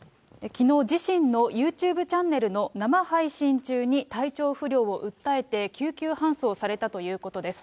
きのう、自身のユーチューブチャンネルの生配信中に体調不良を訴えて救急搬送されたということです。